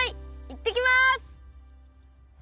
いってきます！